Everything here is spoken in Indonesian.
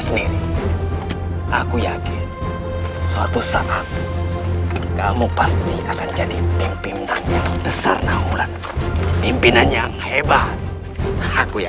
sendiri aku yakin suatu saat kamu pasti akan jadi pemimpin besar naulat pimpinan yang hebat aku ya